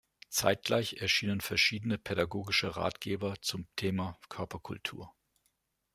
Zeitgleich erschienen verschiedene pädagogische Ratgeber zum Thema Körperkultur.